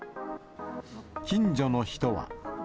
近所の人は。